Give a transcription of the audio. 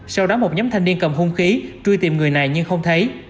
sau đó một nhóm thanh niên cầm hung khí truy tìm người này nhưng không thấy